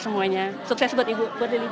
semuanya sukses buat ibu